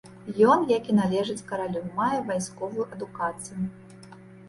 Ён, як і належыць каралю, мае вайсковую адукацыю.